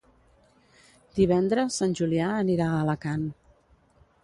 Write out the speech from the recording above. Divendres en Julià anirà a Alacant.